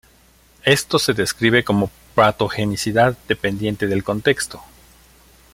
Esto se describe como patogenicidad dependiente del contexto.